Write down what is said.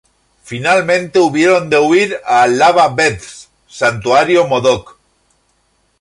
Finalmente hubieron de huir a Lava Beds, santuario modoc.